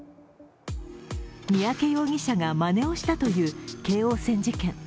三宅容疑者がまねをしたという、京王線事件。